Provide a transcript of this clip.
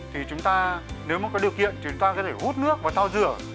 thì chúng ta nếu mà có điều kiện thì chúng ta có thể hút nước và thao rửa